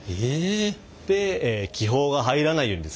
で気泡が入らないようにですね